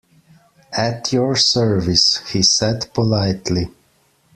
“At your service,” he said politely.